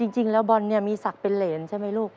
จริงแล้วบอลเนี่ยมีศักดิ์เป็นเหรนใช่ไหมลูก